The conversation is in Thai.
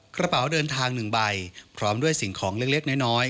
กระเป๋าเดินทาง๑ใบพร้อมด้วยสิ่งของเล็กน้อย